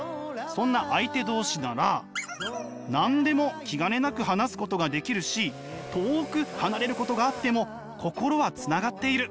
そんな相手同士なら何でも気兼ねなく話すことができるし遠く離れることがあっても心はつながっている。